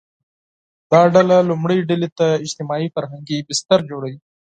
دا ډله لومړۍ ډلې ته اجتماعي – فرهنګي بستر جوړوي